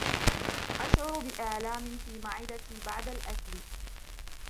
أشعر بآلام في معدتي بعد الأكل.